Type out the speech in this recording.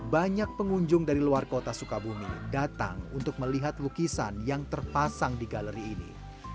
banyak pengunjung dari luar kota sukabumi datang untuk melihat lukisan yang terpasang di galeri ini